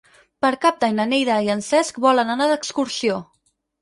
Per Cap d'Any na Neida i en Cesc volen anar d'excursió.